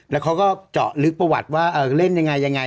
แล้วเขาก็เจาะลึกประวัติว่าเล่นยังไงยังไง